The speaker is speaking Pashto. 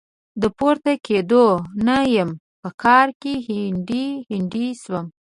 د پورته کېدو نه يم؛ په کار کې هنډي هنډي سوم.